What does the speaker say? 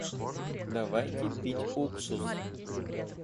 Давайте пить уксус.